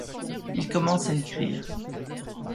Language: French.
Il commence à écrire.